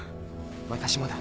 私もだ